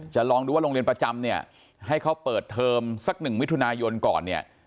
ลองดูว่าโรงเรียนประจำเนี่ยให้เขาเปิดเทอมสักหนึ่งมิถุนายนก่อนเนี่ย